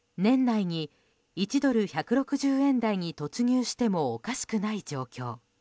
年内に１ドル＝１６０円台に突入してもおかしくない状況。